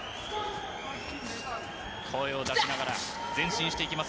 声を出しながら前進していきます。